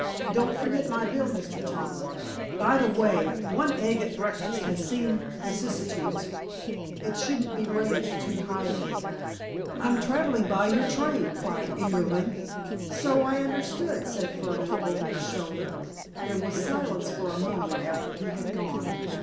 Don't forget my bill. Mr. Tomlin. By the way, one egg at breakfast had seen vicissitudes. It shouldn't be rated too highly." "I'm traveling by your train," cried Ingerman. "So I understood," said Furneaux over his shoulder. There was silence for a moment after he had gone.